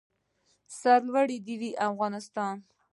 سر لوړی د وي افغانستان.